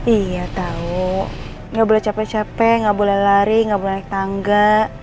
iya tau gak boleh capek capek gak boleh lari gak boleh naik tangga